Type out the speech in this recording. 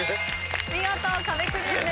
見事壁クリアです。